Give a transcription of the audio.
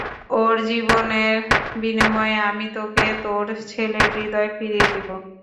ওর জীবনের বিনিময়ে আমি তোকে তোর ছেলের হৃদয় ফিরিয়ে দিবো!